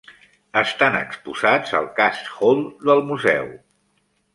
Estan exposats al 'Cast Hall' del museu.